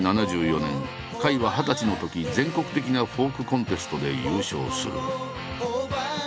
１９７４年甲斐は二十歳のとき全国的なフォークコンテストで優勝する。